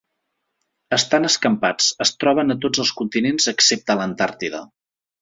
Estan escampats, es troben a tots els continents excepte a l'Antàrtida.